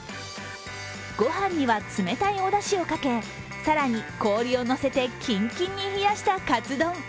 御飯には冷たいおだしをかけ更に氷をのせてキンキンに冷やしたかつ丼。